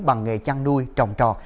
bằng nghề chăn nuôi trồng trò